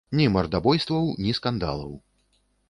Ні мардабойстваў, ні скандалаў.